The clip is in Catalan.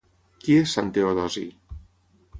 Qui és Sant Teodosi?